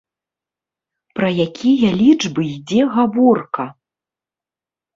Пра якія лічбы ідзе гаворка?